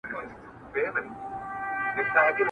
ګوندي سیاست مه کوئ.